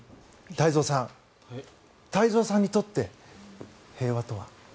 太蔵さん太蔵さんにとって平和とは？